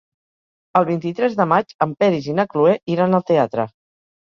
El vint-i-tres de maig en Peris i na Cloè iran al teatre.